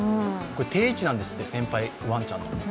定位置なんですって、先輩、ワンちゃんの。